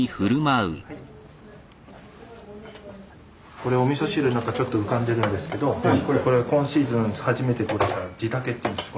これおみそ汁の中ちょっと浮かんでるんですけどこれ今シーズン初めて採ったジダケっていうんです。